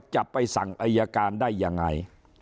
จะไปสั่งอายการได้ยังไง